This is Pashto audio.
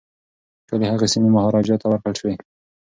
ټولي هغه سیمي مهاراجا ته ورکړل شوې.